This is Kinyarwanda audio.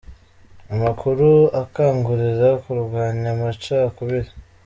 Umukuru akangurira kurwanya amaca kubiri.